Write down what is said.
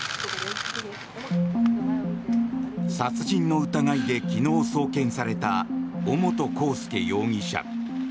殺人の疑いで昨日、送検された尾本幸祐容疑者。